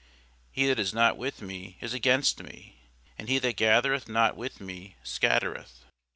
He that is not with me is against me: and he that gathereth not with me scattereth.